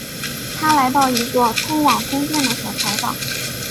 他来到一座通往宫殿的小桥上。